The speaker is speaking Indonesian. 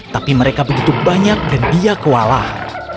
tapi mereka begitu banyak dan dia kewalahan